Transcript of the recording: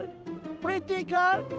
プリティーガール！